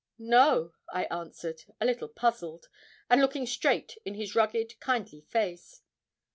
'No,' I answered, a little puzzled, and looking straight in his rugged, kindly face.